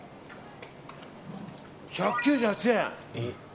１９８円。